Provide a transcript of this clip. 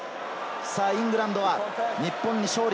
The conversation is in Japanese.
イングランドは日本に勝利。